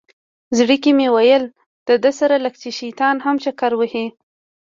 زړه کې مې ویل ده سره لکه چې شیطان هم چکر ووهي.